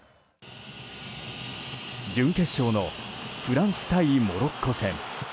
準決勝のフランス対モロッコ戦。